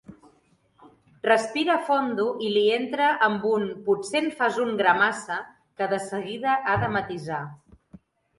Respira fondo i li entra amb un potser-en-fasun-gra-massa que de seguida ha de matisar.